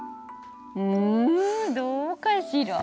うんどうかしら？